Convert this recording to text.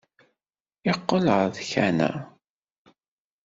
Yeqqel ɣer tkanna.